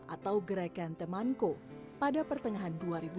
atau gerakan temanko pada pertengahan dua ribu dua puluh